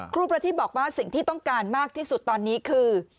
ครูประทีบบอกว่าสิ่งที่ต้องการมากที่สุดตอนนี้คือ